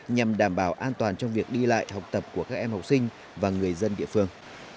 nhằm đảm bảo an toàn trong việc đi lại học tập của các em học sinh và người dân địa phương